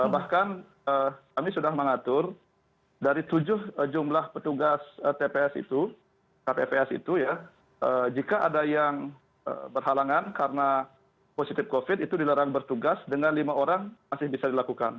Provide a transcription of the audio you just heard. bahkan kami sudah mengatur dari tujuh jumlah petugas tps itu kpps itu ya jika ada yang berhalangan karena positif covid itu dilarang bertugas dengan lima orang masih bisa dilakukan